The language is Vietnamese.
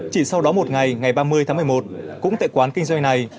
chỉ sau đó một ngày ngày ba mươi tháng một mươi một cũng tại quán kinh doanh này